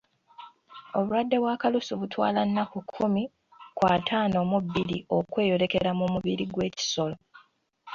Obulwadde bwa kalusu butwala nnaku kkumi ku ataano mu bbiri okweyolekera mu mubiri gw'ekisolo.